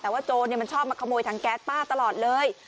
แต่ว่าโจรมันชอบมาขโมยถังแก๊สป้าตลอดเลย